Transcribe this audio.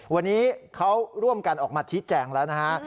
วันนี้เขาร่วมกันออกมาชี้แจงแล้วนะฮะ